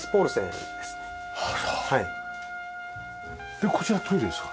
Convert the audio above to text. でこちらはトイレですか？